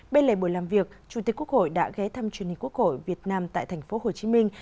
bên lề buổi làm việc chủ tịch quốc hội đã ghé thăm truyền hình quốc hội việt nam tại thành phố hồ chí minh